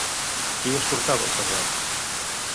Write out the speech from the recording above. Qui escortava al Cerdà?